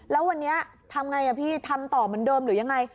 แล้ววันนี้ทำไงพี่ทำต่อเหมือนเดิมหรือยังไง